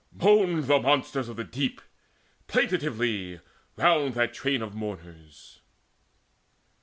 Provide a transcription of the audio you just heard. Moaned the monsters of the deep Plaintively round that train of mourners.